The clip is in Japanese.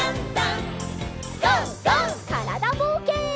からだぼうけん。